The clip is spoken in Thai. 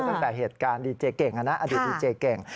ตั้งแต่เหตุการณ์ดีเจเก่งอดีตดีเจเก่ง